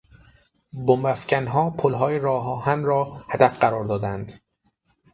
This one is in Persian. بمب افکنها پلهای راهآهن را هدف قرار دادند.